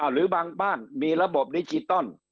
หรือบางบ้านมีระบบดิจิตอล